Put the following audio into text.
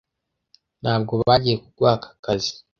Ntabwo bagiye kuguha aka kazi.